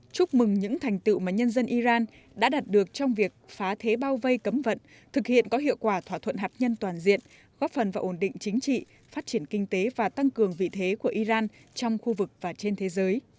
chúc mừng những thành tựu mà nhân dân iran đã đạt được trong việc phá thế bao vây cấm vận thực hiện có hiệu quả thỏa thuận hạt nhân toàn diện góp phần và ổn định chính trị phát triển kinh tế và tăng cường vị thế của iran trong khu vực và trên thế giới